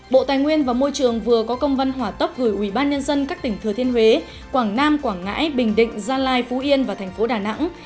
bộ tài nguyên và môi trường vừa có công văn hỏa tốc gửi ubnd các tỉnh thừa thiên huế quảng nam quảng ngãi bình định gia lai phú yên và tp đà nẵng